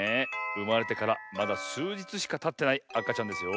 うまれてからまだすうじつしかたってないあかちゃんですよ。